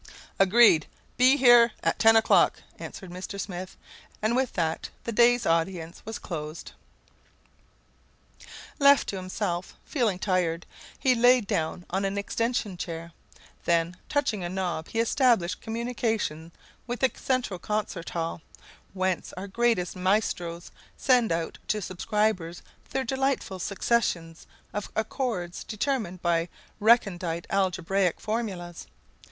"Agreed. Be here at ten o'clock," answered Mr. Smith; and with that the day's audience was closed. Left to himself, feeling tired, he lay down on an extension chair. Then, touching a knob, he established communication with the Central Concert Hall, whence our greatest maestros send out to subscribers their delightful successions of accords determined by recondite algebraic formulas.